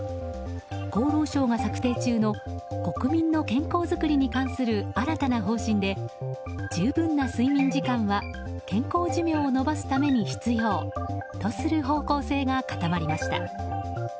厚労省が策定中の国民の健康づくりに関する新たな方針で、十分な睡眠時間は健康寿命を延ばすために必要とする方向性が固まりました。